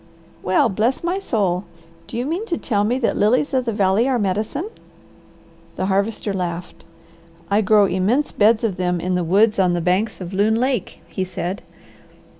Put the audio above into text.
"Well bless my soul! Do you mean to tell me that lilies of the valley are medicine?" The Harvester laughed. "I grow immense beds of them in the woods on the banks of Loon Lake," he said.